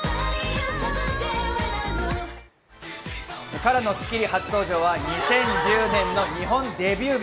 ＫＡＲＡの『スッキリ』初登場は２０１０年の日本デビュー日。